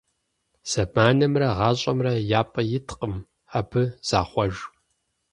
Зэманымрэ гъащӀэмрэ я пӀэ иткъым, абы захъуэж.